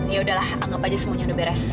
yaudah lah anggap aja semuanya udah beres